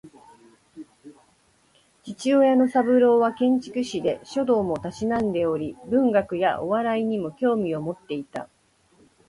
父親の三郎は建築士で、書道も嗜んでおり文学やお笑いにも興味を持っていた